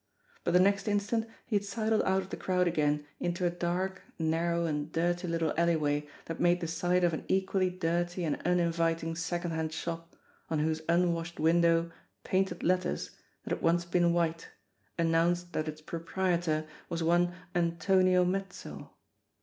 But the next instant he had sidled out of the crowd again into a dark, narrow and dirty little alleyway that made the side of an equally dirty and uninviting second hand shop, on whose unwashed window painted letters, that had once been white, announced that its proprietor was one Antonio Mezzo.